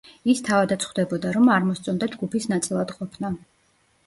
ის თავადაც ხვდებოდა, რომ არ მოსწონდა ჯგუფის ნაწილად ყოფნა.